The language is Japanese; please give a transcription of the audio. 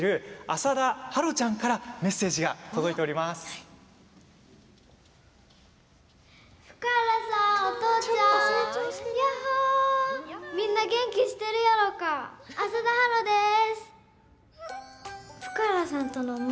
浅田芭路ちゃんからメッセージが届いています。